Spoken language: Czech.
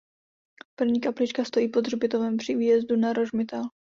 První kaplička stojí pod hřbitovem při výjezdu na Rožmitál.